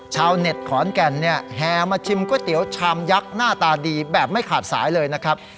ชาวเน็ตขอนแก่นเนี่ยแห่มาชิมก๋วยเตี๋ยวชามยักษ์หน้าตาดีแบบไม่ขาดสายเลยนะครับ